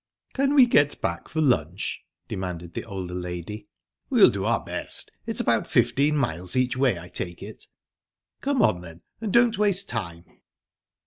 "Can we get back for lunch?" demanded the older lady. "We'll do our best. It's about fifteen miles each way, I take it." "Come on, then, and don't waste time."